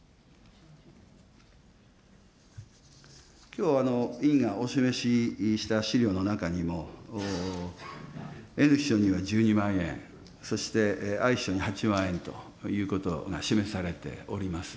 きょう、議員がお示しした資料の中にも、Ｎ秘書には１２万円、そしてＩ秘書に８万円ということが示されております。